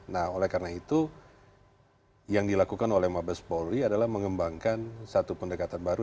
nah oleh karena itu yang dilakukan oleh mabes polri adalah mengembangkan satu pendekatan baru